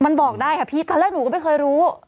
มันบอกได้ค่ะพี่ตอนแรกหนูก็ไม่เคยรู้